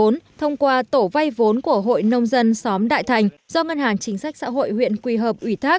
năm hai nghìn một mươi bốn thông qua tổ vay vốn của hội nông dân xóm đại thành do ngân hàng chính sách xã hội huyện quy hợp ủy thác